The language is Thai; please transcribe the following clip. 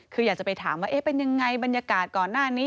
คืออยากจะไปถามว่าเป็นยังไงบรรยากาศก่อนหน้านี้